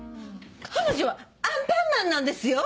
彼女はアンパンマンなんですよ